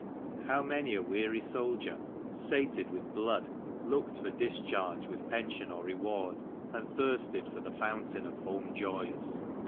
How many a weary soldier, sated with blood, looked for discharge with pension or reward, and thirsted for the fountain of home joys